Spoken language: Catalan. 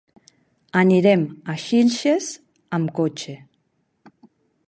Anirem a Xilxes amb cotxe.